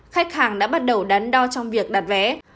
khách hàng đã bắt đầu đắn đo trong việc đặt vé